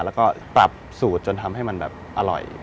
แล้วก็ปรับสูตรจนทำให้มันแบบอร่อย